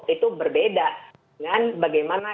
itu berbeda dengan bagaimana